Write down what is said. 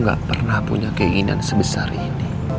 gak pernah punya keinginan sebesar ini